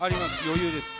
余裕です